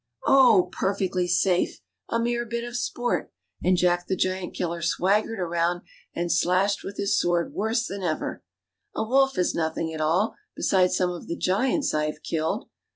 " Oh ! perfectly safe ; a mere hit of sport ;" and Jack the Giant killer swaggered around and slashed with his sword worse than ever. " A wolf is nothing at all beside some of the giants I have killed.